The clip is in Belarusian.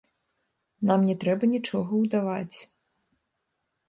Нам не трэба нічога ўдаваць.